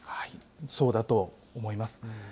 そうだと思います。